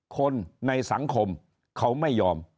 คนในสังคมเขาไม่ยอม